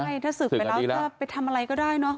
ใช่ถ้าศึกไปแล้วถ้าไปทำอะไรก็ได้เนอะ